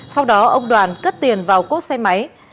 sau đó ông đoàn cất tiền vào cốp xe máy